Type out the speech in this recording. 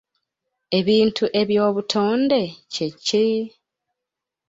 Ebintu eby'obutonde kye ki?